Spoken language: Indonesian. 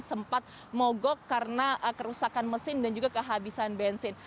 sempat mogok karena kerusakan mesin dan juga kehabisan bensin